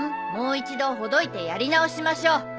もう一度ほどいてやり直しましょう。